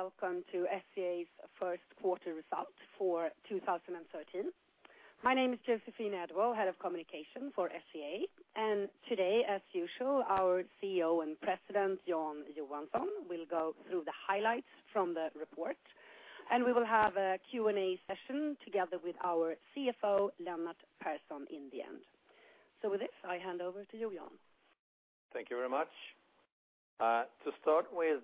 Hello, welcome to SCA's first quarter result for 2013. My name is Joséphine Edwall-Björklund, Head of Communication for SCA. Today, as usual, our CEO and President, Jan Johansson, will go through the highlights from the report. We will have a Q&A session together with our CFO, Lennart Persson, in the end. With this, I hand over to you, Jan. Thank you very much. To start with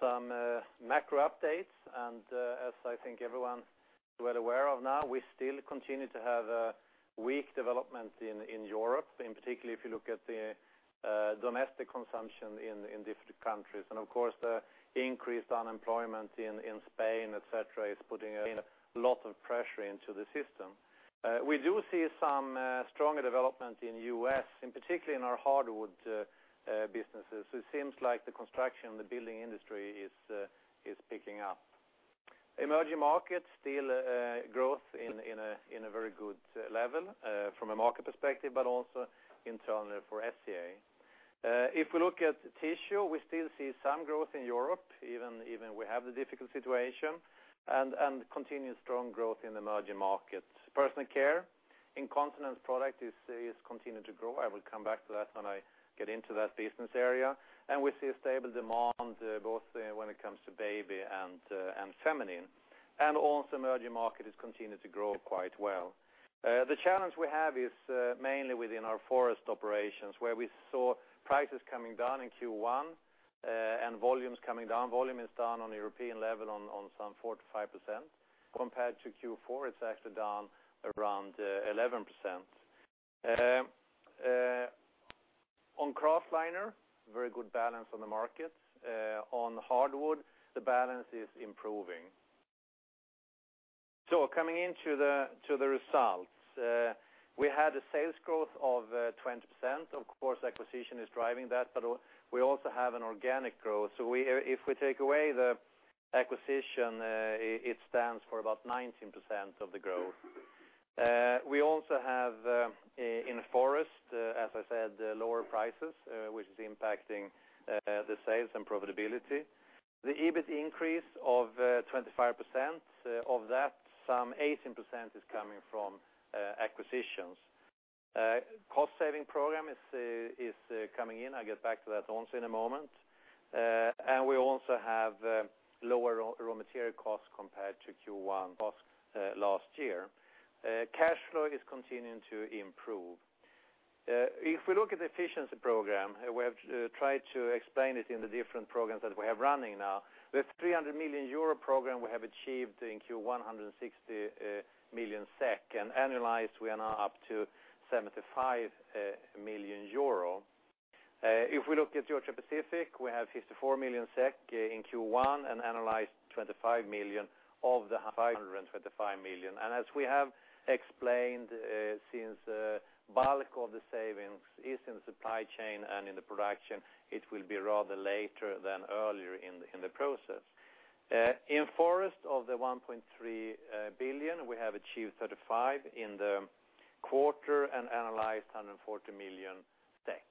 some macro updates. As I think everyone is well aware of now, we still continue to have a weak development in Europe, in particular if you look at the domestic consumption in different countries. Of course, the increased unemployment in Spain, et cetera, is putting a lot of pressure into the system. We do see some stronger development in the U.S., in particular in our hardwood businesses. It seems like the construction, the building industry is picking up. Emerging markets, still growth in a very good level from a market perspective, but also internally for SCA. If we look at tissue, we still see some growth in Europe, even we have the difficult situation. Continued strong growth in emerging markets. Personal care, incontinence product is continuing to grow. I will come back to that when I get into that business area. We see a stable demand both when it comes to baby and feminine. Also emerging market is continuing to grow quite well. The challenge we have is mainly within our forest operations where we saw prices coming down in Q1 and volumes coming down. Volume is down on a European level on some 45%. Compared to Q4, it's actually down around 11%. On kraftliner, very good balance on the market. On hardwood, the balance is improving. Coming into the results. We had a sales growth of 20%. Of course, acquisition is driving that, but we also have an organic growth. If we take away the acquisition, it stands for about 19% of the growth. We also have in forest, as I said, lower prices, which is impacting the sales and profitability. The EBIT increase of 25%. Of that, some 18% is coming from acquisitions. Cost-saving program is coming in. I'll get back to that also in a moment. We also have lower raw material cost compared to Q1 last year. Cash flow is continuing to improve. If we look at the efficiency program, we have tried to explain it in the different programs that we have running now. The 300 million euro program we have achieved in Q1, 160 million SEK. Annualized, we are now up to 75 million euro. If we look at Georgia-Pacific, we have 54 million SEK in Q1. Annualized, 25 million of the 525 million. As we have explained since the bulk of the savings is in supply chain and in the production, it will be rather later than earlier in the process. In forest, of the 1.3 billion, we have achieved 35 million in the quarter and annualized 140 million SEK.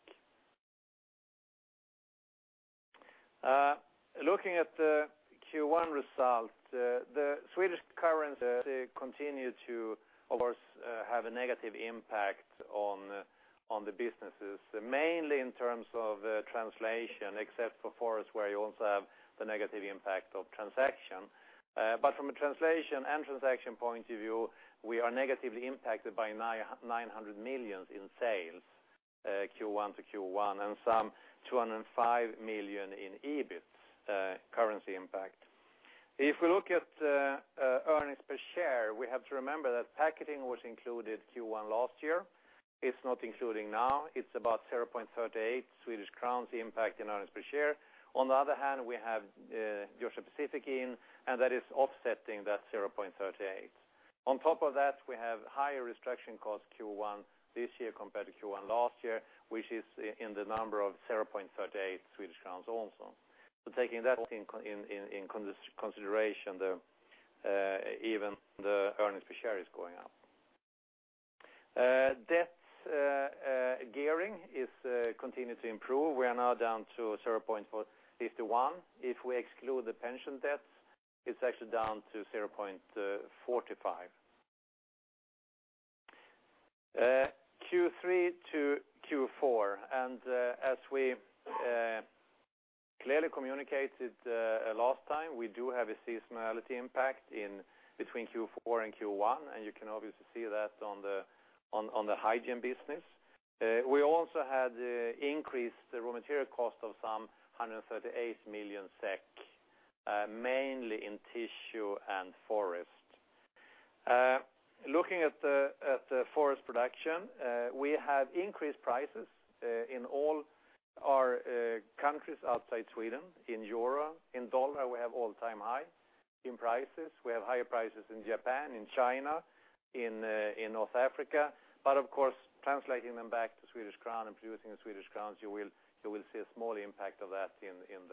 Looking at the Q1 result, the Swedish currency continued to, of course, have a negative impact on the businesses, mainly in terms of translation, except for forest where you also have the negative impact of transaction. From a translation and transaction point of view, we are negatively impacted by 900 million in sales Q1 to Q1 and some 205 million in EBIT currency impact. If we look at earnings per share, we have to remember that packaging was included Q1 last year. It's not including now. It's about 0.38 Swedish crowns impact in earnings per share. On the other hand, we have Georgia-Pacific in, and that is offsetting that 0.38. On top of that, we have higher restructuring cost Q1 this year compared to Q1 last year, which is in the number of 0.38 Swedish crowns also. Taking that all in consideration, even the earnings per share is going up. Debt gearing is continuing to improve. We are now down to 0.51. If we exclude the pension debts, it's actually down to 0.45. Q3 to Q4, and as we clearly communicated last time, we do have a seasonality impact between Q4 and Q1, and you can obviously see that on the hygiene business. We also had increased raw material cost of some 138 million SEK, mainly in tissue and forest. Looking at the forest production, we have increased prices in all our countries outside Sweden, in EUR. In USD, we have all-time high in prices. We have higher prices in Japan, in China, in North Africa. Of course, translating them back to SEK and producing in SEK, you will see a small impact of that in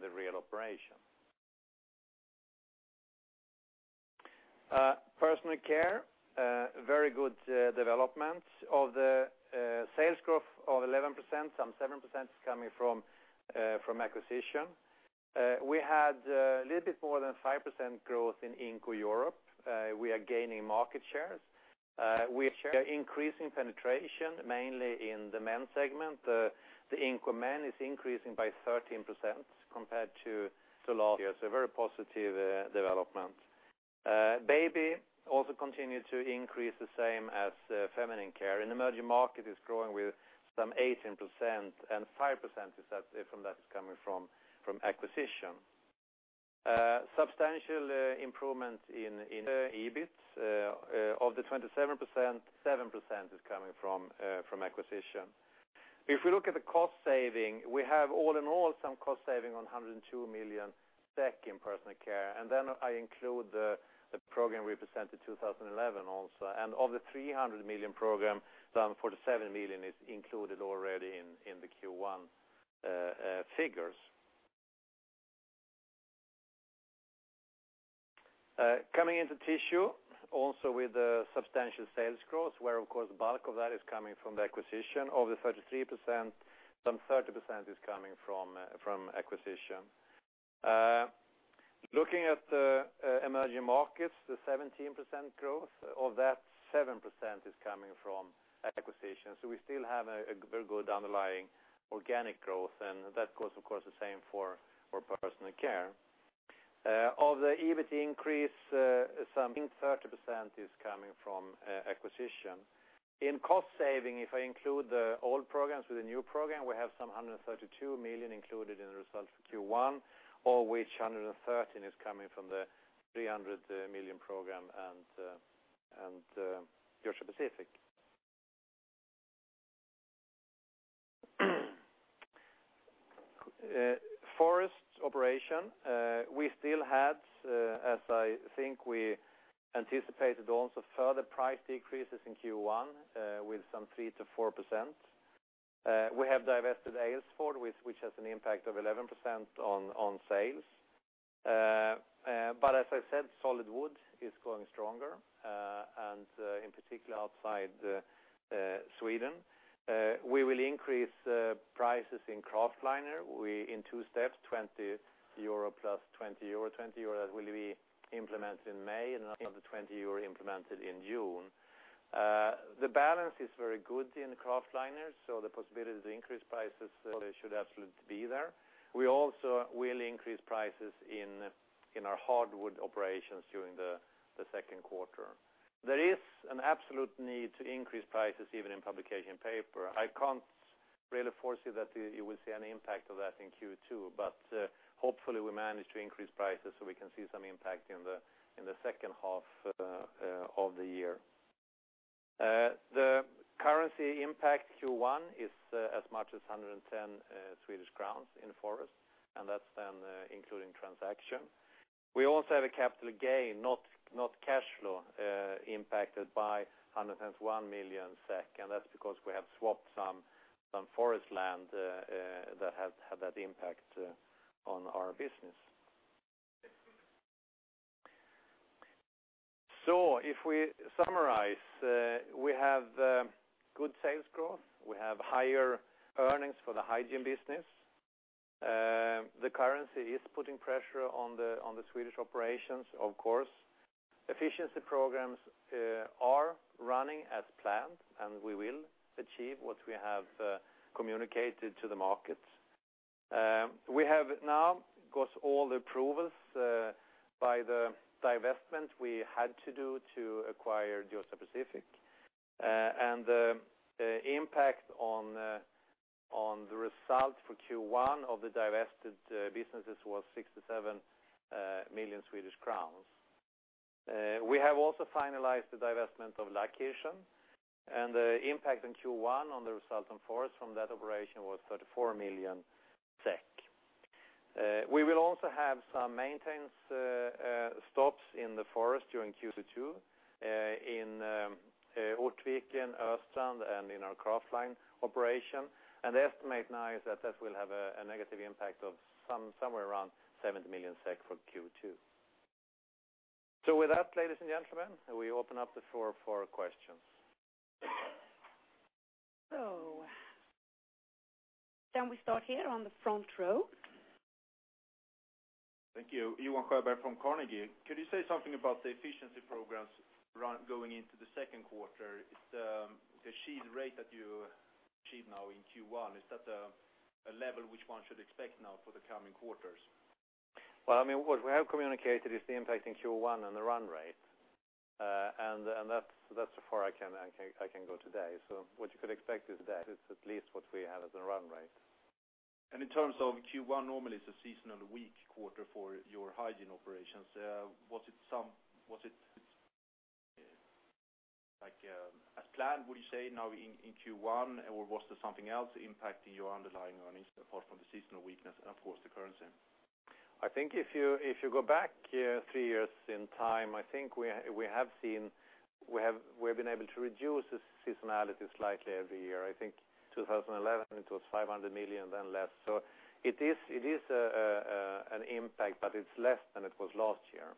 the real operation. Personal Care, very good development. Of the sales growth of 11%, some 7% is coming from acquisition. We had a little bit more than 5% growth in Inco Europe. We are gaining market shares. We are increasing penetration mainly in the men segment. The Inco men is increasing by 13% compared to last year. A very positive development. Baby also continued to increase the same as Feminine Care. Emerging market is growing with some 18%, and 5% of that is coming from acquisition. Substantial improvement in EBIT. Of the 27%, 7% is coming from acquisition. If we look at the cost saving, we have all in all some cost saving on 102 million SEK in Personal Care, and then I include the program we presented 2011 also. Of the 300 million program, some 47 million is included already in the Q1 figures. Coming into Tissue, also with a substantial sales growth, where of course the bulk of that is coming from the acquisition. Of the 33%, some 30% is coming from acquisition. Looking at the emerging markets, the 17% growth, of that, 7% is coming from acquisitions. We still have a very good underlying organic growth, and that goes of course the same for Personal Care. Of the EBIT increase, some 30% is coming from acquisition. In cost saving, if I include the old programs with the new program, we have some 132 million included in the results for Q1, all of which 113 million is coming from the 300 million program and Georgia-Pacific. Forest operations. We still had, as I think we anticipated also, further price decreases in Q1 with some 3%-4%. We have divested Aylesford, which has an impact of 11% on sales. As I said, solid wood is going stronger, and in particular outside Sweden. We will increase prices in kraftliner in two steps, 20 euro plus 20 euro. 20 euro will be implemented in May, and another 20 euro implemented in June. The balance is very good in kraftliner. The possibility to increase prices should absolutely be there. We also will increase prices in our hardwood operations during the second quarter. There is an absolute need to increase prices even in publication paper. I can't really foresee that you will see any impact of that in Q2, hopefully we manage to increase prices so we can see some impact in the second half of the year. The currency impact Q1 is as much as 110 million Swedish crowns in forest. That is then including transaction. We also have a capital gain, not cash flow, impacted by 101 million SEK. That is because we have swapped some forest land that had that impact on our business. If we summarize, we have good sales growth. We have higher earnings for the hygiene business. The currency is putting pressure on the Swedish operations, of course. Efficiency programs are running as planned, we will achieve what we have communicated to the markets. We have now got all the approvals by the divestment we had to do to acquire Georgia-Pacific. The impact on the result for Q1 of the divested businesses was 67 million Swedish crowns. We have also finalized the divestment of Laakirchen. The impact in Q1 on the result on forest from that operation was 34 million SEK. We will also have some maintenance stops in the forest during Q2 in Ortviken, in Östrand, and in our kraftliner operation. The estimate now is that that will have a negative impact of somewhere around 70 million SEK for Q2. With that, ladies and gentlemen, we open up the floor for questions. We start here on the front row. Thank you. Johan Sjöberg from Carnegie. Could you say something about the efficiency programs going into the second quarter? The sheet rate that you achieved now in Q1, is that a level which one should expect now for the coming quarters? Well, I mean, what we have communicated is the impact in Q1 and the run rate. That's far I can go today. What you could expect is that it's at least what we have as a run rate. In terms of Q1, normally it's a seasonal weak quarter for your hygiene operations. Was it as planned, would you say now in Q1? Was there something else impacting your underlying earnings apart from the seasonal weakness, and of course, the currency? I think if you go back three years in time, I think we have been able to reduce the seasonality slightly every year. I think 2011 it was 500 million, then less. It is an impact, but it's less than it was last year.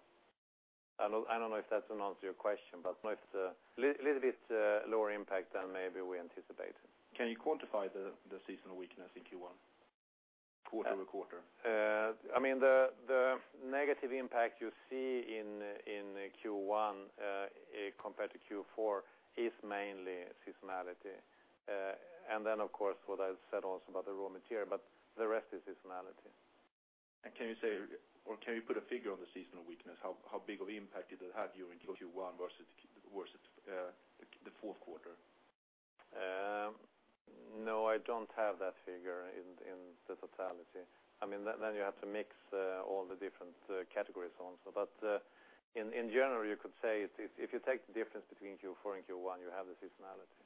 I don't know if that's an answer to your question, but it's a little bit lower impact than maybe we anticipated. Can you quantify the seasonal weakness in Q1 quarter-over-quarter? The negative impact you see in Q1 compared to Q4 is mainly seasonality. Then, of course, what I said also about the raw material, the rest is seasonality. Can you put a figure on the seasonal weakness? How big of impact did it have during Q1 versus the fourth quarter? No, I don't have that figure in the totality. You have to mix all the different categories also. In general, you could say if you take the difference between Q4 and Q1, you have the seasonality.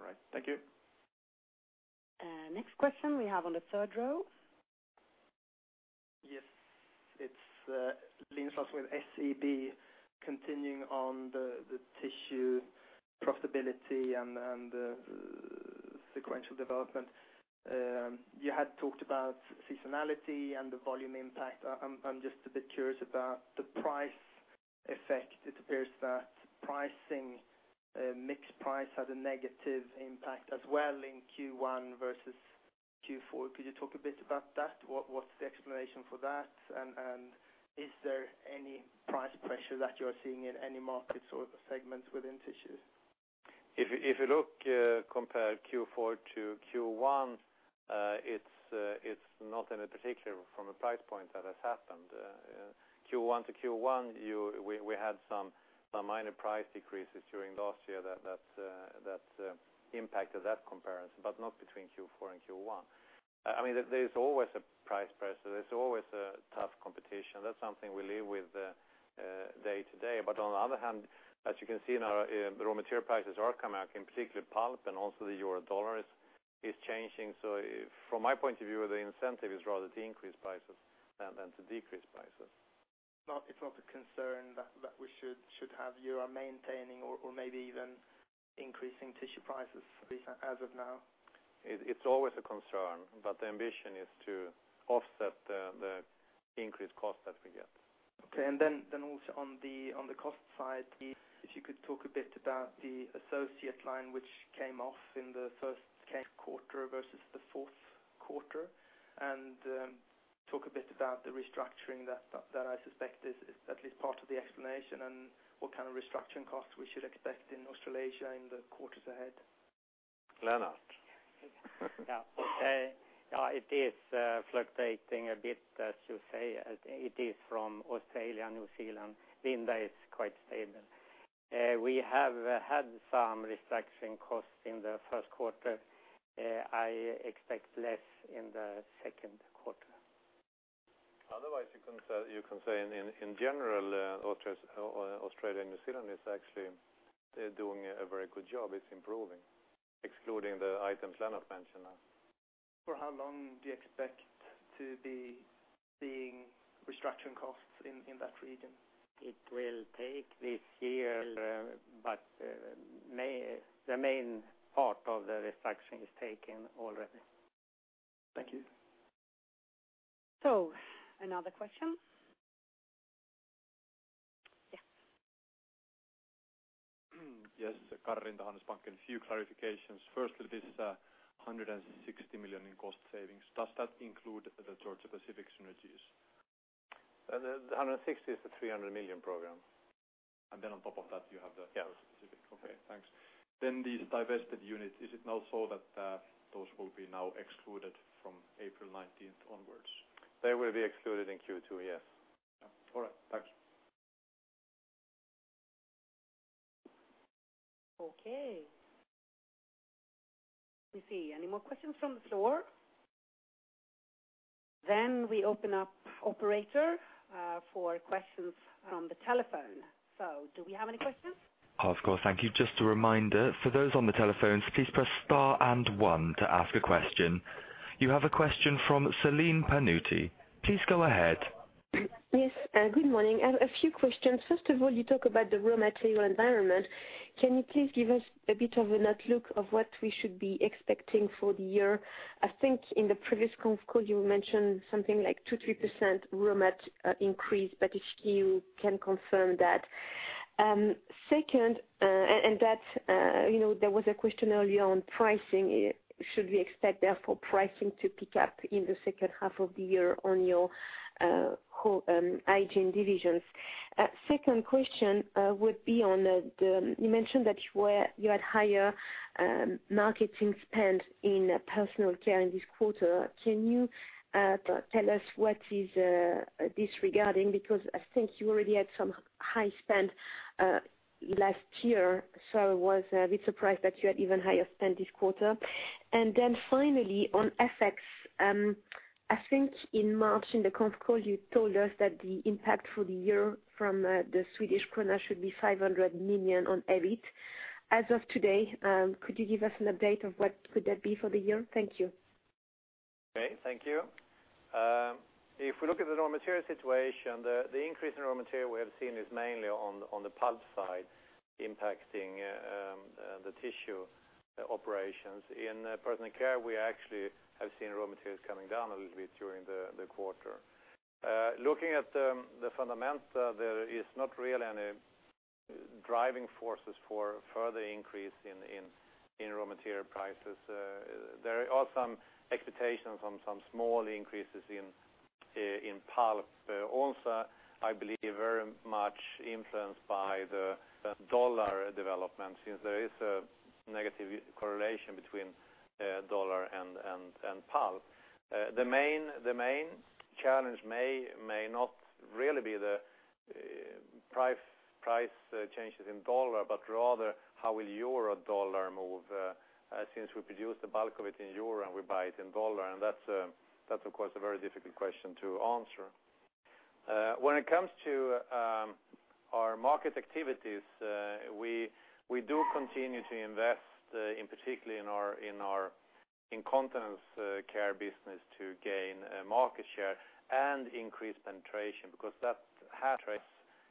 All right. Thank you. Next question we have on the third row. Yes. It's Linus with SEB. Continuing on the tissue profitability and the sequential development. You had talked about seasonality and the volume impact. I'm just a bit curious about the price effect. It appears that pricing, mixed price, had a negative impact as well in Q1 versus Q4. Could you talk a bit about that? What's the explanation for that, and is there any price pressure that you're seeing in any markets or segments within tissues? If you compare Q4 to Q1, it's not in particular from a price point that has happened. Q1 to Q1, we had some minor price decreases during last year that impacted that comparison, but not between Q4 and Q1. There's always a price pressure. There's always a tough competition. That's something we live with day to day. On the other hand, as you can see now, the raw material prices are coming up, in particular pulp, and also the euro/dollar is changing. From my point of view, the incentive is rather to increase prices than to decrease prices. It's not a concern that we should have you maintaining or maybe even increasing tissue prices as of now? It's always a concern. The ambition is to offset the increased cost that we get. Okay. Also on the cost side, if you could talk a bit about the associate line, which came off in the first quarter versus the fourth quarter, and talk a bit about the restructuring that I suspect is at least part of the explanation, and what kind of restructuring costs we should expect in Australasia in the quarters ahead. Lennart? Yeah. It is fluctuating a bit, as you say. It is from Australia and New Zealand. Vinda is quite stable. We have had some restructuring costs in the first quarter. I expect less in the second quarter. Otherwise, you can say in general, Australia and New Zealand is actually doing a very good job. It's improving. Excluding the items Lennart mentioned now. For how long do you expect to be seeing restructuring costs in that region? It will take this year. The main part of the restructuring is taken already. Thank you. another question. Yes. Yes. Kari Rinta, Handelsbanken. Few clarifications. Firstly, this 160 million in cost savings, does that include the Georgia-Pacific synergies? The 160 is the 300 million program. on top of that, you have the- Yeah Georgia-Pacific. Okay, thanks. These divested units, is it now so that those will be now excluded from April 19th onwards? They will be excluded in Q2, yes. All right. Thanks. Okay. Let me see. Any more questions from the floor? We open up, operator, for questions from the telephone. Do we have any questions? Of course. Thank you. Just a reminder, for those on the telephones, please press star and one to ask a question. You have a question from Celine Pannuti. Please go ahead. Yes, good morning. I have a few questions. First of all, you talk about the raw material environment. Can you please give us a bit of an outlook of what we should be expecting for the year? I think in the previous conf call you mentioned something like 2%-3% raw mat increase, but if you can confirm that. There was a question earlier on pricing. Should we expect, therefore, pricing to pick up in the second half of the year on your hygiene divisions? Second question would be on, you mentioned that you had higher marketing spend in personal care in this quarter. Can you tell us what is this regarding? Because I think you already had some high spend last year, so I was a bit surprised that you had even higher spend this quarter. Finally on FX, I think in March in the conf call, you told us that the impact for the year from the Swedish krona should be 500 million on EBIT. As of today, could you give us an update of what could that be for the year? Thank you. Okay, thank you. If we look at the raw material situation, the increase in raw material we have seen is mainly on the pulp side, impacting the tissue operations. In personal care, we actually have seen raw materials coming down a little bit during the quarter. Looking at the fundamentals, there is not really any driving forces for further increase in raw material prices. There are some expectations on some small increases in pulp. Also, I believe very much influenced by the U.S. dollar development, since there is a negative correlation between the U.S. dollar and pulp. The main challenge may not really be the price changes in U.S. dollars, but rather how will EUR-USD move, since we produce the bulk of it in euros and we buy it in U.S. dollars, and that's, of course, a very difficult question to answer. When it comes to our market activities, we do continue to invest, in particular in our incontinence care business to gain market share and increase penetration, because that has,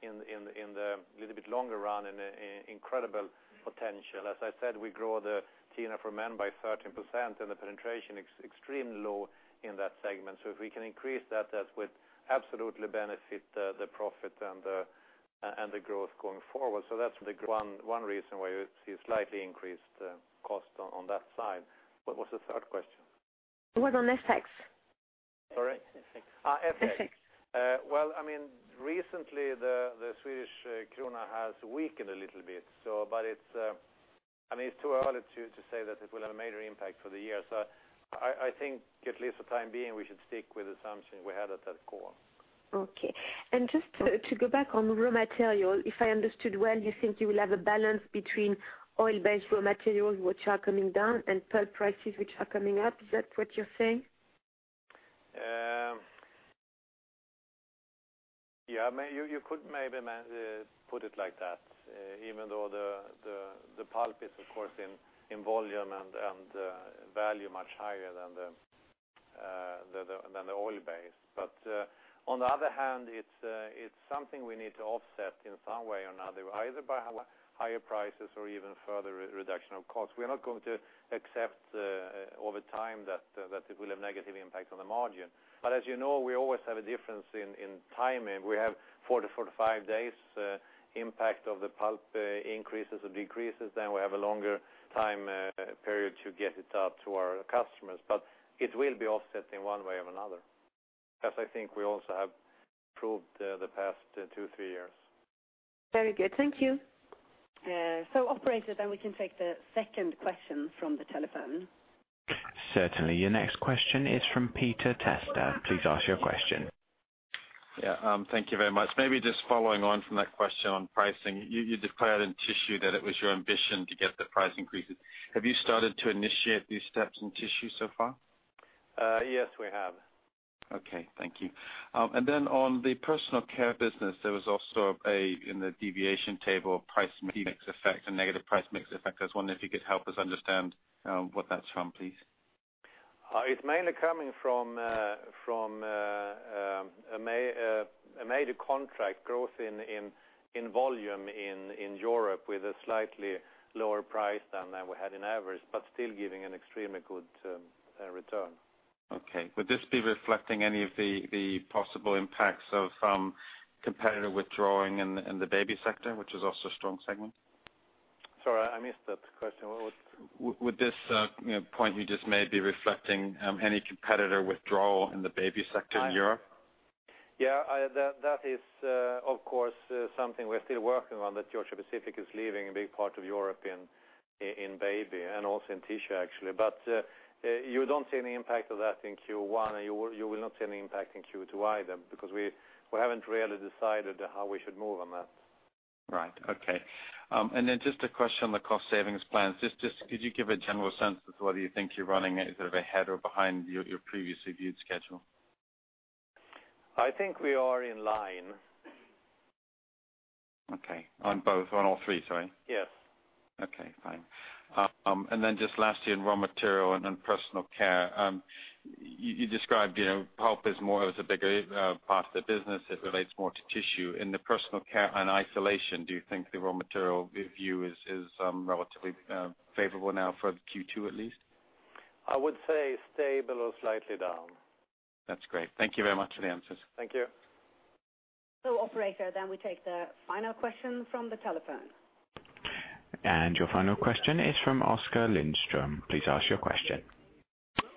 in the little bit longer run, an incredible potential. As I said, we grow the TENA for Men by 13%, and the penetration extremely low in that segment. If we can increase that would absolutely benefit the profit and the growth going forward. That's one reason why you see slightly increased cost on that side. What was the third question? It was on FX. Sorry? FX. FX. Well, recently, the Swedish krona has weakened a little bit. It's too early to say that it will have a major impact for the year. I think at least for the time being, we should stick with assumption we had at that call. Okay. Just to go back on raw material, if I understood well, you think you will have a balance between oil-based raw materials which are coming down and pulp prices which are coming up. Is that what you're saying? Yeah. You could maybe put it like that. Even though the pulp is, of course, in volume and value much higher than the oil base. On the other hand, it's something we need to offset in some way or another, either by higher prices or even further reduction of costs. We're not going to accept over time that it will have negative impact on the margin. As you know, we always have a difference in timing. We have 40-45 days impact of the pulp increases or decreases. We have a longer time period to get it out to our customers. It will be offset in one way or another. As I think we also have proved the past two, three years. Very good. Thank you. Operator, we can take the second question from the telephone. Certainly. Your next question is from Peter Testa. Please ask your question. Thank you very much. Maybe just following on from that question on pricing. You declared in tissue that it was your ambition to get the price increases. Have you started to initiate these steps in tissue so far? Yes, we have. Thank you. On the personal care business, there was also, in the deviation table, price mix effect and negative price mix effect. I was wondering if you could help us understand where that's from, please. It's mainly coming from a major contract growth in volume in Europe with a slightly lower price than we had in average, but still giving an extremely good return. Okay. Would this be reflecting any of the possible impacts of competitor withdrawing in the baby sector, which is also a strong segment? Sorry, I missed that question. Would this point you just made be reflecting any competitor withdrawal in the baby sector in Europe? Yeah. That is, of course, something we're still working on, that Georgia-Pacific is leaving a big part of European in baby and also in tissue, actually. You don't see any impact of that in Q1, and you will not see any impact in Q2 either, because we haven't really decided how we should move on that. Right. Okay. Then just a question on the cost savings plans. Just could you give a general sense of whether you think you're running it sort of ahead or behind your previously viewed schedule? I think we are in line. Okay. On both. On all three, sorry. Yes. Okay, fine. Then just lastly, on raw material and on personal care. You described pulp is more of as a bigger part of the business, it relates more to tissue. In the personal care, in isolation, do you think the raw material view is relatively favorable now for Q2 at least? I would say stable or slightly down. That's great. Thank you very much for the answers. Thank you. Operator, we take the final question from the telephone. Your final question is from Oskar Lindstrom. Please ask your question.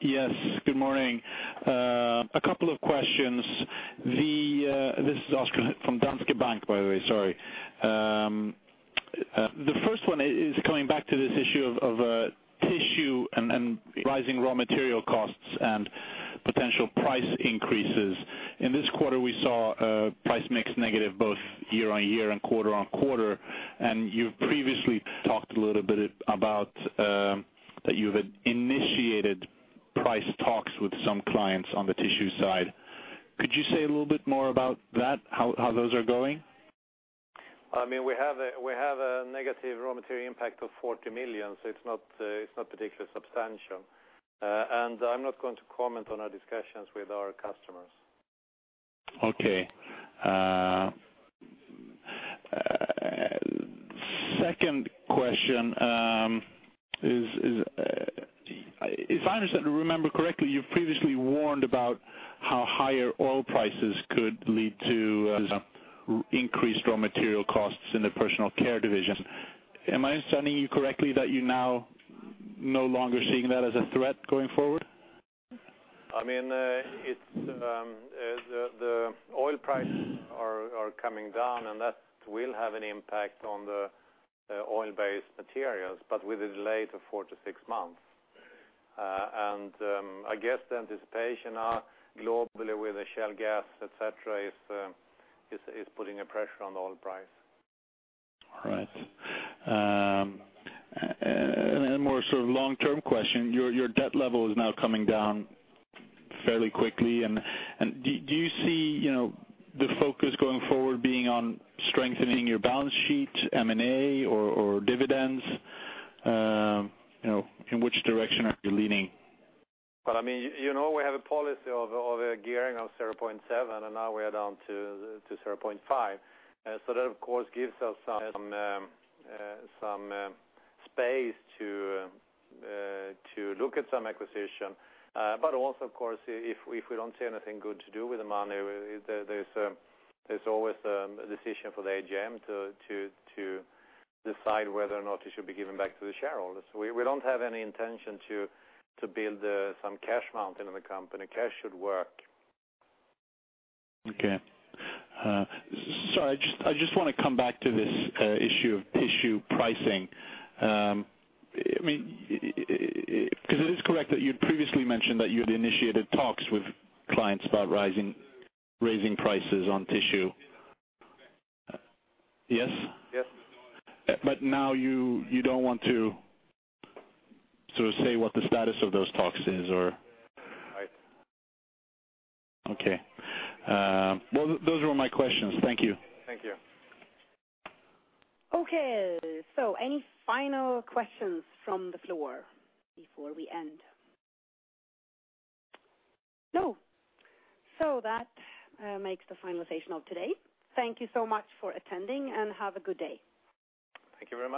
Yes, good morning. A couple of questions. This is Oskar from Danske Bank, by the way. Sorry. The first one is coming back to this issue of tissue and rising raw material costs and potential price increases. In this quarter, we saw a price mix negative both year-over-year and quarter-over-quarter, you've previously talked a little bit about that you had initiated price talks with some clients on the tissue side. Could you say a little bit more about that? How those are going? We have a negative raw material impact of 40 million, it's not particularly substantial. I'm not going to comment on our discussions with our customers. Okay. Second question is, if I understand and remember correctly, you've previously warned about how higher oil prices could lead to increased raw material costs in the personal care division. Am I understanding you correctly that you're now no longer seeing that as a threat going forward? That will have an impact on the oil-based materials, but with a delay of four to six months. I guess the anticipation are globally with the shale gas, et cetera, is putting a pressure on the oil price. All right. More long-term question, your debt level is now coming down fairly quickly, do you see the focus going forward being on strengthening your balance sheet, M&A, or dividends? In which direction are you leaning? We have a policy of a gearing of 0.7, now we are down to 0.5. That of course, gives us some space to look at some acquisition. Also, of course, if we don't see anything good to do with the money, there's always a decision for the AGM to decide whether or not it should be given back to the shareholders. We don't have any intention to build some cash mountain in the company. Cash should work. Okay. Sorry, I just want to come back to this issue of tissue pricing. It is correct that you'd previously mentioned that you had initiated talks with clients about raising prices on tissue. Yes? Yes. Now you don't want to say what the status of those talks is or? Right. Okay. Well, those were my questions. Thank you. Thank you. Okay, any final questions from the floor before we end? No. That makes the finalization of today. Thank you so much for attending, and have a good day. Thank you very much.